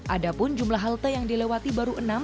ada pun jumlah halte yang dilewati baru enam